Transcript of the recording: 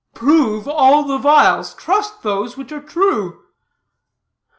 "Prove all the vials; trust those which are true."